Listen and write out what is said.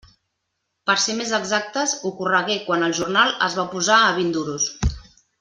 Per ser més exactes, ocorregué quan el jornal es va posar a vint duros.